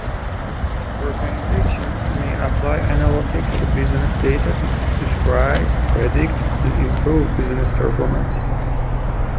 Organizations may apply analytics to business data to describe, predict, and improve business performance.